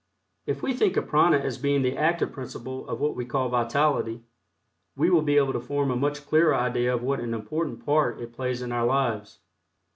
If we think of prana as being the active principle of what we call "vitality," we will be able to form a much clearer idea of what an important part it plays in our lives.